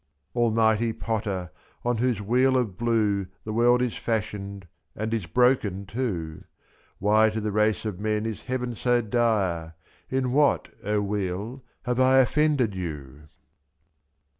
70 Almighty Potter, on whose wheel of blue The world is fashioned and is broken too, /4x.Why to the race of men is heaven so dire? In what, O wheel, have I offended you